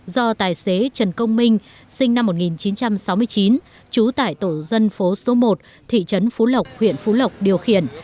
do tài xế trần công minh sinh năm một nghìn chín trăm sáu mươi chín trú tại tổ dân phố số một thị trấn phú lộc huyện phú lộc điều khiển